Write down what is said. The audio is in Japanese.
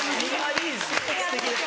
いいです